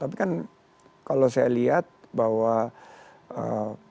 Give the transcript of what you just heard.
tapi kan kalau saya lihat bahwa